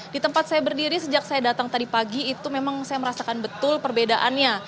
di tempat saya berdiri sejak saya datang tadi pagi itu memang saya merasakan betul perbedaannya